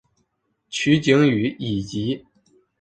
取景于以及。